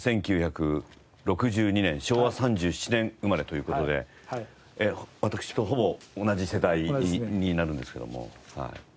１９６２年昭和３７年生まれという事で私とほぼ同じ世代になるんですけどもはい。